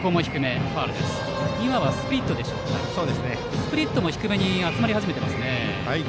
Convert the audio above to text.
スプリットも低めに集まり始めています。